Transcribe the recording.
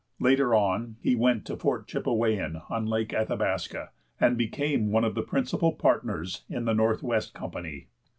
Later on he went to Fort Chipewyan, on Lake Athabasca, and became one of the principal partners in the Northwest Company.